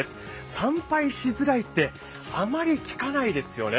参拝しづらいって、あまり聞かないですよね。